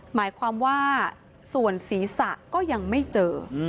หมายความว่าส่วนศีรษะก็ยังไม่เจอ